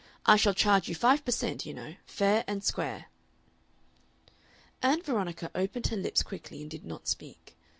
I shall charge you five per cent., you know, fair and square." Ann Veronica opened her lips quickly and did not speak.